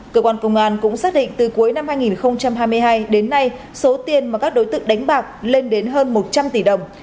cơ quan công an cũng xác định từ cuối năm hai nghìn hai mươi hai đến nay số tiền mà các đối tượng đánh bạc lên đến hơn một trăm linh tỷ đồng